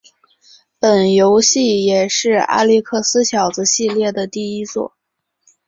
本游戏也是阿历克斯小子系列第一作。